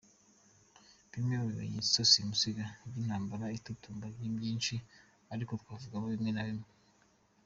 Bimwe mu bimenyetso simusiga by’intambara itutumba ni byinshi ariko twavugamo bimwe na bimwe: